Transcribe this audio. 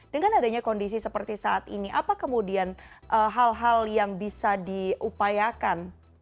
dengan adanya kondisi seperti saat ini apa kemudian hal hal yang bisa diupayakan